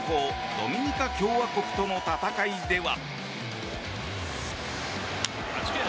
ドミニカ共和国との戦いでは。